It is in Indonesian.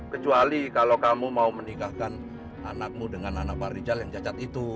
kecuali kalau kamu mau menikahkan anakmu dengan anak pak rijal yang cacat itu